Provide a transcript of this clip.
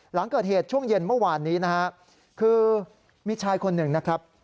หลังเกิดเหตุช่วงเย็นเมื่อวานนี้นะฮะคือมีชายคนหนึ่งนะครับ